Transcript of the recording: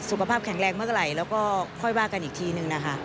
สุขภาพแข็งแรงเมื่อไหร่แล้วก็ค่อยว่ากันอีกทีนึงนะคะ